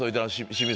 清水